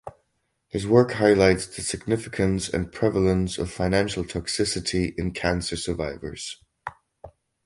His work highlights the significance and prevalence of financial toxicity in cancer survivors.